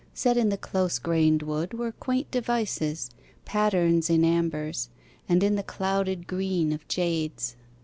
Set in the close grained wood Were quaint devices; Patterns in ambers, And in the clouded green of jades.